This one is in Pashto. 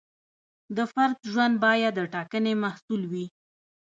د فرد ژوند باید د ټاکنې محصول وي.